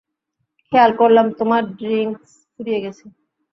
খেয়াল করলাম, তোমার ড্রিংক্স ফুরিয়ে গেছে।